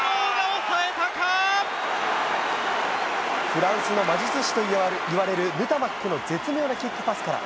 フランスの魔術師といわれるヌタマックの絶妙なキックパスから、